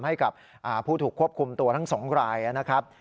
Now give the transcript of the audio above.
ให้กับผู้ถูกควบคุมตัวทั้ง๒รายนะครับ